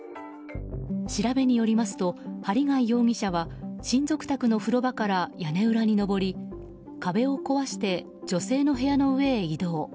調べによりますと、針谷容疑者は親族宅の風呂場から屋根裏に上り壁を壊して女性の部屋の上へ移動。